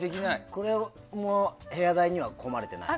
これ部屋代には含まれてない？